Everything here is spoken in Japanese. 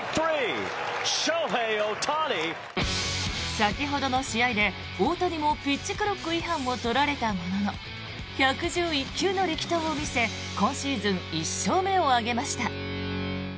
先ほどの試合で大谷もピッチクロック違反を取られたものの１１１球の力投を見せ今シーズン１勝目を挙げました。